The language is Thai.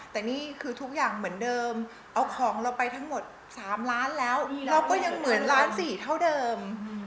แต่นี่คือทุกอย่างเหมือนเดิมเอาของเราไปทั้งหมด๓ล้านแล้วเราก็ยังเหมือนล้านสี่เท่าเดิม